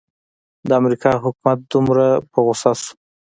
د امریکا حکومت دومره په غوسه شو.